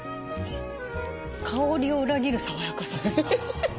香りを裏切る爽やかさです。